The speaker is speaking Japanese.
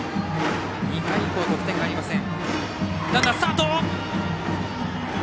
２回以降、得点ありません。